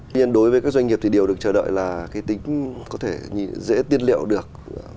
tuy nhiên đối với các doanh nghiệp thì đều được chờ đợi là cái tính có thể dễ tiết liệu được